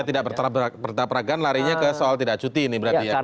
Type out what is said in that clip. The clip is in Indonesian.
jadi supaya tidak bertabrakan larinya ke soal tidak cuti ini berarti ya